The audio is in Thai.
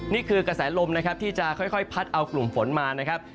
นี่คือกระแสลมนะครับที่จะค่อยพัดเอากลุ่มฝนมานะครับ